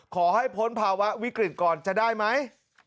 ขอให้พ้นภาวะวิกฤตก่อนจะได้ไหม